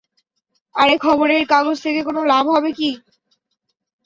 আরে খবরের কাগজ থেকে কোনো লাভ হবে কি?